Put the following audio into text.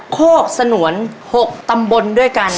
โฆษณวนหกตำบลด้วยกัน